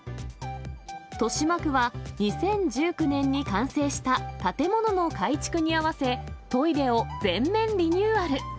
豊島区は２０１９年に完成した建物の改築に合わせ、トイレを全面リニューアル。